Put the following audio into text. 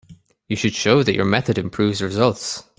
You should show that your method improves results.